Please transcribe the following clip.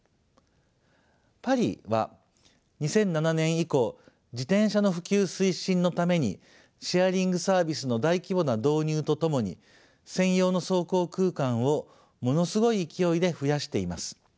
パリは２００７年以降自転車の普及推進のためにシェアリングサービスの大規模な導入とともに専用の走行空間をものすごい勢いで増やしています。